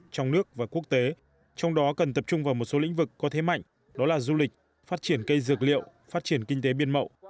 trong nước và quốc tế trong đó cần tập trung vào một số lĩnh vực có thế mạnh đó là du lịch phát triển cây dược liệu phát triển kinh tế biên mậu